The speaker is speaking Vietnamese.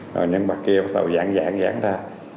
rồi những bậc kia bắt đầu giãn giãn giãn ra